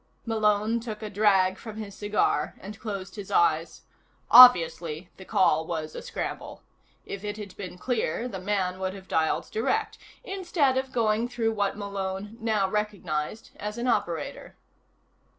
Malone took a drag from his cigar and closed his eyes. Obviously the call was a scramble. If it had been clear, the man would have dialed direct, instead of going through what Malone now recognized as an operator.